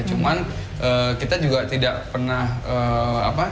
cuman kita juga tidak pernah belajar barista